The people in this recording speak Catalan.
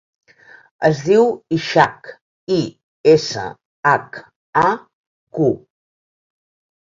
Es diu Ishaq: i, essa, hac, a, cu.